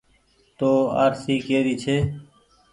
تو آرسي ڪي ري ڇي۔